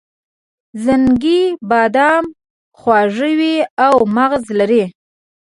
زنګي بادام خواږه وي او مغز لري.